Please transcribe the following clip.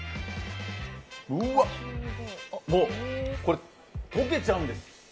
もうこれ、溶けちゃうんです。